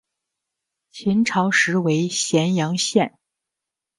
秦朝时为咸阳县。